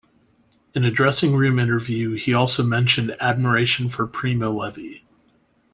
In a dressing room interview, he also mentioned admiration for Primo Levi.